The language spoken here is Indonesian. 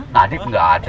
nadif gak ada